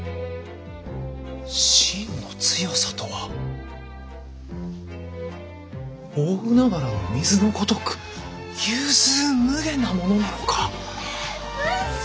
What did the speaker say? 真の強さとは大海原の水のごとく融通無碍なものなのか。